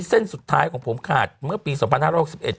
เส้นสุดท้ายของผมขาดเมื่อปีสองพันห้าร้อยหกสิบเอ็ด